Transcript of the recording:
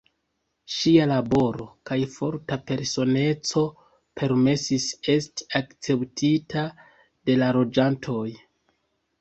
Ŝia laboro kaj forta personeco permesis esti akceptita de la loĝantoj.